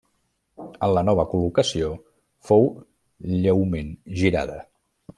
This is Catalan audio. En la nova col·locació fou lleument girada.